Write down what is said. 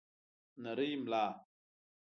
نرۍ ملا